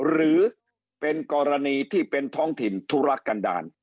หรือเป็นกรณีที่เป็นท้องถิ่นธุรกันดาล